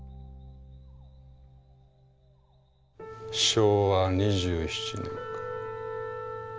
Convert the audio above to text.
昭和２７年か。